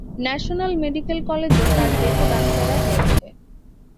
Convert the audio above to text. National medical কলেজে তার দেহ দান করা হয়েছে।